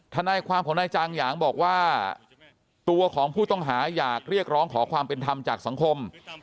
ทนายความของนายจางหยางบอกว่าตัวของผู้ต้องหาอยากเรียกร้องขอความเป็นธรรมจากสังคม